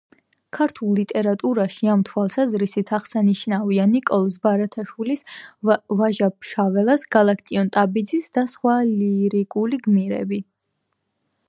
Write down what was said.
ქართულ ლიტერატურაში ამ თვალსაზრისით აღსანიშნავია ნიკოლოზ ბარათაშვილის, ვაჟა-ფშაველას, გალაკტიონ ტაბიძის და სხვათა ლირიკული გმირები.